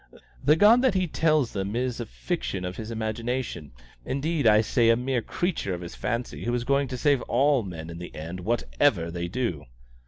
The God that he tells them of is a fiction of his imagination; indeed, I might say a mere creature of his fancy, who is going to save all men in the end, whatever they do!"